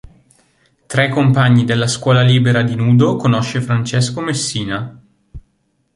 Tra i compagni della scuola libera di nudo conosce Francesco Messina.